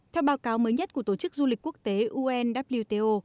theo báo cáo mới nhất của tổ chức du lịch quốc tế unwto